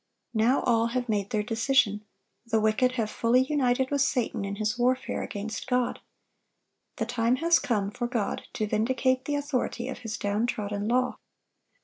Now all have made their decision; the wicked have fully united with Satan in his warfare against God. The time has come for God to vindicate the authority of His downtrodden law.